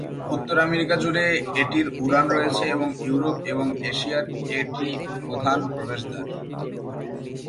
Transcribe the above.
উত্তর আমেরিকা জুড়ে এটির উড়ান রয়েছে এবং এটি ইউরোপ এবং এশিয়ার একটি প্রধান প্রবেশদ্বার।